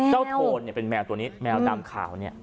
โทนเนี่ยเป็นแมวตัวนี้แมวดำขาวเนี่ย